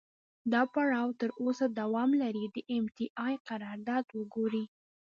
دا پړاو تر اوسه دوام لري، د ام ټي اې قرارداد وګورئ.